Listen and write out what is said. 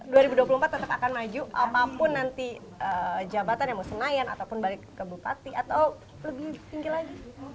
dua ribu dua puluh empat tetap akan maju apapun nanti jabatan yang mau senayan ataupun balik ke bupati atau lebih tinggi lagi